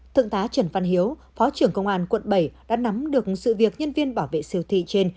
thượng tá trần văn hiếu phó trưởng công an quận bảy đã nắm được sự việc nhân viên bảo vệ siêu thị trên